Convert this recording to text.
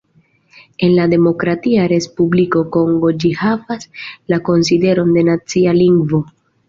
En la Demokratia Respubliko Kongo ĝi havas la konsideron de "nacia lingvo".